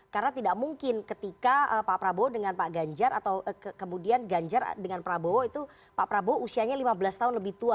karena tidak mungkin ketika pak prabowo dengan pak ganjar atau kemudian ganjar dengan pak prabowo itu pak prabowo usianya lima belas tahun lebih tua